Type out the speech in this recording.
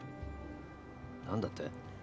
何だって？